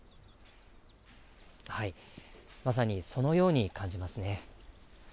まさにそのように感じますね。